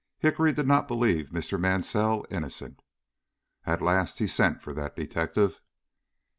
Hickory did not believe Mr. Mansell innocent. At last he sent for that detective.